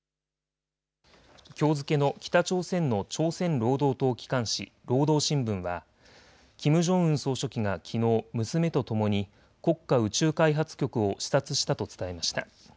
きょう付けの北朝鮮の朝鮮労働党機関紙、労働新聞はキム・ジョンウン総書記がきのう娘とともに国家宇宙開発局を視察したと伝えました。